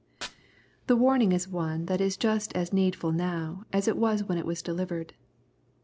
'* The warning is oae that is just as needful now as it was when it was delivered.